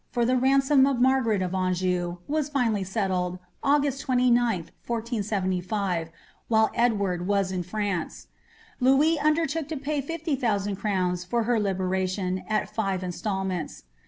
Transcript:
far the lensom of Margaret of Anjou was finally settled, August 'iSth, 1475, while Edward was in Fiance. Louis undertook to pay fifty thousand crowns for tier libera tion, at tive instalments.'